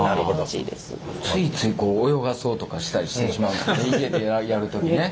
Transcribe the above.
ついついこう泳がそうとかしたりしてしまう家でやる時ね。